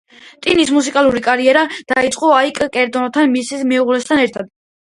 ტინას მუსიკალური კარიერა დაიწყო აიკ ტერნერთან, მის მეუღლესთან ერთად.